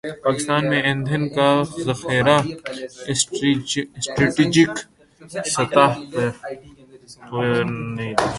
پاکستان میں ایندھن کا ذخیرہ اسٹریٹجک سطح سے نیچے